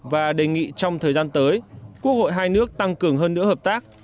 và đề nghị trong thời gian tới quốc hội hai nước tăng cường hơn nữa hợp tác